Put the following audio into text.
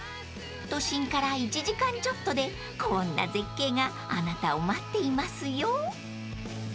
［都心から１時間ちょっとでこんな絶景があなたを待っていますよ］